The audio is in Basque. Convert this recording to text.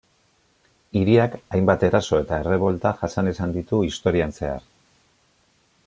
Hiriak hainbat eraso eta errebolta jasan izan ditu historian zehar.